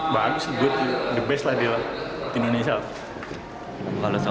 bagus the best lagi loh di indonesia